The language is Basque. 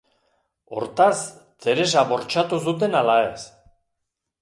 Hortaz, Teresa bortxatu zuten ala ez?